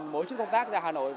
mỗi chút công tác ra hà nội